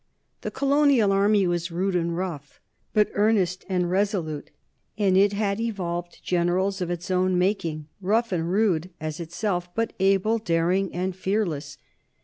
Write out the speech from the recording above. The colonial army was rude and rough, but earnest and resolute, and it had evolved generals of its own making, rough and rude as itself, but able, daring, and fearless.